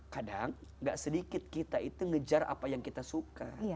kadang gak sedikit kita itu ngejar apa yang kita suka